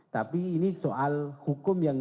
tapi ini soal hukum yang